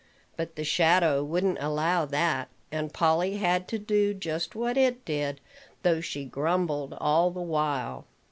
But the shadow wouldn't allow that; and Polly had to do just what it did, though she grumbled all the while.